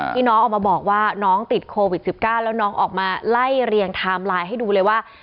ที่น้องออกมาบอกว่าน้องติดโควิด๑๙แล้วน้องออกมาไล่เรียงไทม์ไลน์ให้ดูเลยว่า